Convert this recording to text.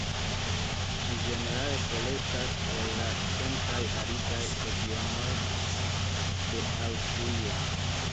Ĝi ĝenerale forestas el la centraj aridaj regionoj de Aŭstralio.